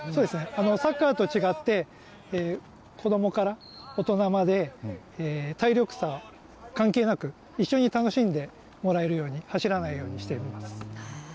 サッカーと違って、子どもから大人まで、体力差関係なく、一緒に楽しんでもらえるように、走らないようにしています。